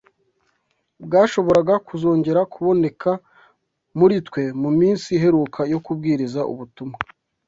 bwashoboraga kuzongera kuboneka muri twe mu minsi iheruka yo kubwiriza ubutumwa